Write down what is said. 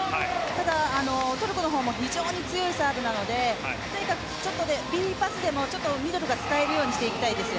ただ、トルコも非常に強いサーブなのでとにかくＢパスでもちょっとミドルが使えるようにしていきたいです。